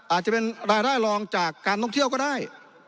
อาจจะเป็นรายได้รองจากการท่องเที่ยวก็ได้